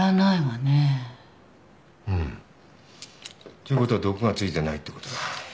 っていうことは毒が付いてないってことだ。